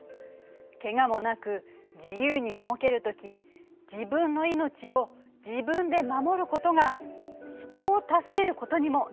けがもなく自由に動ける時自分の命を自分で守ることが人を助けることにもなるのよ。